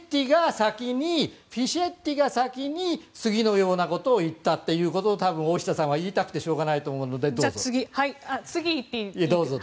フィシェッティが先に次のようなことを言ったということを多分、大下さんは言いたくてしょうがないと思うので、どうぞ。